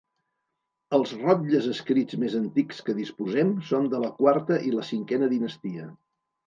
Els rotlles escrits més antics que disposem són de la quarta i la cinquena dinastia.